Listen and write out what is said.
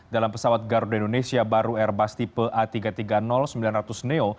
dalam pesawat garuda indonesia baru airbus tipe a tiga ratus tiga puluh sembilan ratus neo